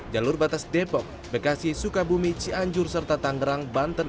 jalur batas depok bekasi sukabumi cianjur serta tangerang banten